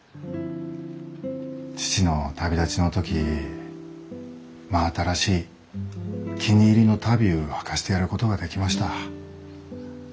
父の旅立ちの時真新しい気に入りの足袋うはかせてやることができました。